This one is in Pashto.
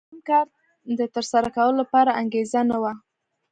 د سم کار د ترسره کولو لپاره انګېزه نه وه.